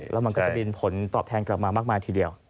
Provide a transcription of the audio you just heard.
แล้วมันก็จะบินผลตอบแทนกลับมามากมายทีเดียว